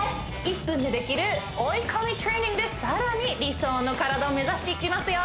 １分でできる追い込みトレーニングでさらに理想の体を目指していきますよ